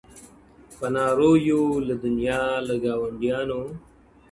په نارو یو له دنیا له ګاونډیانو-